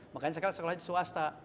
makanya sekarang sekolahnya swasta